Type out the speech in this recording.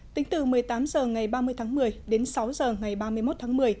tính từ một mươi tám h ngày ba mươi tháng một mươi đến sáu h ngày ba mươi một tháng một mươi